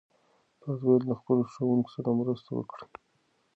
تاسو باید له خپلو ښوونکو سره مرسته وکړئ.